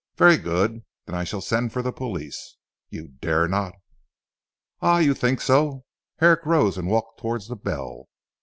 "Very good. Then I shall send for the police." "You dare not." "Ah! You think so." Herrick rose and walked towards the bell.